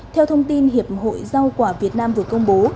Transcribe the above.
theo thông tin hiệp hội rau quả việt nam vừa công bố